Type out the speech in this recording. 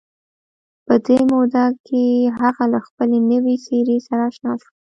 په دې موده کې هغه له خپلې نوې څېرې سره اشنا شو